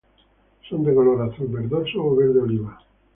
Son de color azul verdoso o verde oliva.